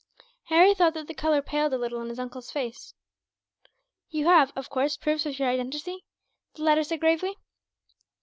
Harry thought that the colour paled a little in his uncle's face. "You have, of course, proofs of your identity?" the latter said, gravely.